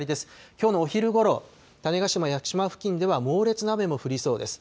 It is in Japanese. きょうのお昼ごろ、種子島・屋久島付近では、猛烈な雨も降りそうです。